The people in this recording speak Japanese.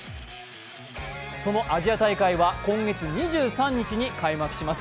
そのアジア大会は今月２３日に開幕します。